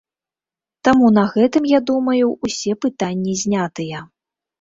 Таму на гэтым, я думаю, усе пытанні знятыя.